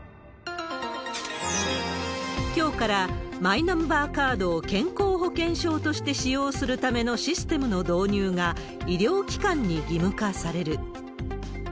きょうからマイナンバーカードを健康保険証として使用するためのシステムの導入が、医療機関に義務化される。